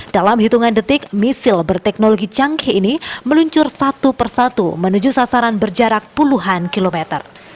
dalam hitungan detik misil berteknologi canggih ini meluncur satu persatu menuju sasaran berjarak puluhan kilometer